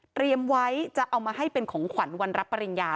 ไว้จะเอามาให้เป็นของขวัญวันรับปริญญา